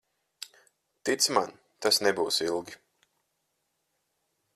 Tici man, tas nebūs ilgi.